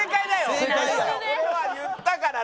俺は言ったから。